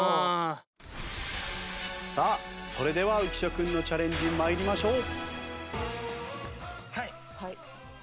さあそれでは浮所君のチャレンジ参りましょう。